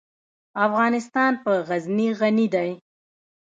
افغانستان په غزني غني دی.